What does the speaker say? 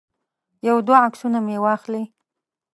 یو دوه عکسونه مې واخلي.